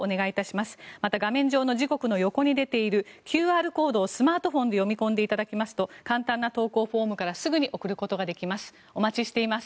また、画面上の時刻の横に出ているＱＲコードをスマートホンで読み込んでいただきますと簡単な投稿フォームからすぐに送ることができます。